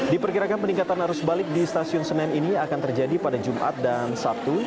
diperkirakan peningkatan arus balik di stasiun senen ini akan terjadi pada jumat dan sabtu